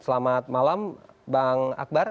selamat malam bang akbar